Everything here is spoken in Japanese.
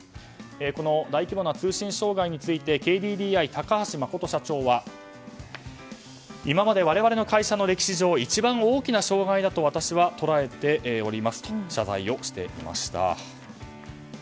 この大規模な通信障害についてＫＤＤＩ、高橋誠社長は今まで我々の会社の歴史上一番大きな障害だと私は捉えておりますと謝罪をしていました。